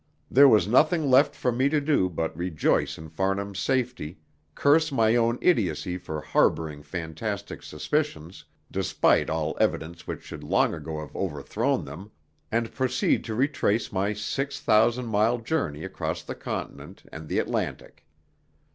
There was nothing left for me to do but rejoice in Farnham's safety, curse my own idiocy for harbouring fantastic suspicions, despite all evidence which should long ago have overthrown them, and proceed to retrace my six thousand mile journey across the continent and the Atlantic.